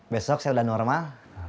besok saya udah normal